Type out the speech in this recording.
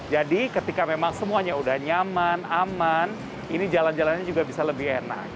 jadi ketika memang semuanya udah nyaman aman ini jalan jalannya juga bisa lebih enak